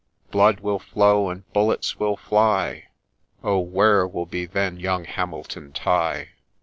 Blood will flow, and bullets will fly, — Oh where will be then young Hamilton Tighe